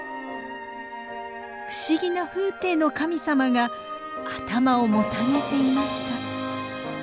不思議な風体の神様が頭をもたげていました。